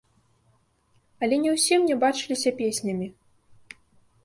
Але не ўсе мне бачыліся песнямі.